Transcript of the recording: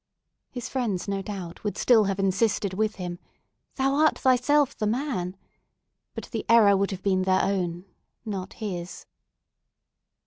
His friends, no doubt, would still have insisted with him—"Thou art thyself the man!" but the error would have been their own, not his.